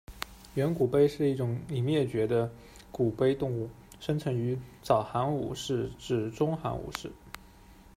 原古杯是一属已灭绝的古杯动物，生存于早寒武世至中寒武世。